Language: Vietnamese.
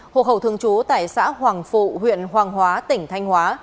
hộ khẩu thương chú tại xã hoàng phụ huyện hoàng hóa tỉnh thanh hóa